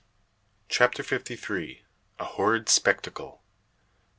CHAPTER FIFTY THREE. A HORRID SPECTACLE.